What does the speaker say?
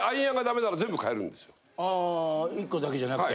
あ１個だけじゃなくて。